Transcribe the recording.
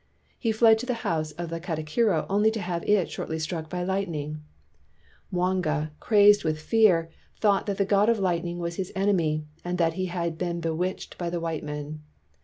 He fled to the house of the katikiro only to have it shortly struck by lightning. Mwanga, crazed with 234 STURDY BLACK CHRISTIANS fear, thought that the god of lightning was his enemy and that he had been bewitched by the white men.